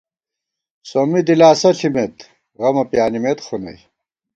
سومّی دلاسہ ݪِمېت غمہ پیانِمېت خو نئی